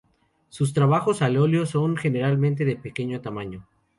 Sus trabajos al óleo son generalmente de pequeño tamaño.